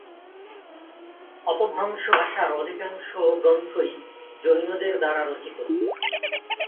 অপভ্রংশ ভাষার অধিকাংশ গ্রন্থই জৈনদের দ্বারা রচিত।